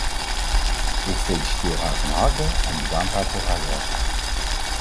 Ik feliciteer haar van harte en bedank haar voor haar werk.